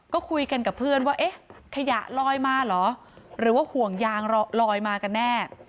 ก็คุยกันกับเพื่อนว่าเอ๊ะขยะลอยมาเหรอหรือว่าห่วงยางลอยมากันแน่